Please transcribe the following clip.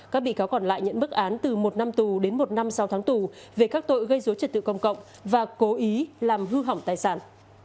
các bị cáo còn lại nhận bức án từ một năm tù đến một năm sau tháng tù về các tội gây dối trật tự công cộng và cố ý làm hư hỏng tài sản